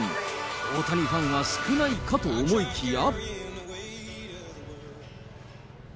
大谷ファンは少ないかと思いきや。